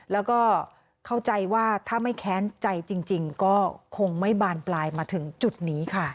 แล้วก็เข้าใจว่าถ้าไม่แค้นใจจริงก็คงไม่บานปลายมาถึงจุดนี้ค่ะ